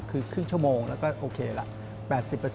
คือครึ่งชั่วโมงแล้วก็โอเคละ๘๐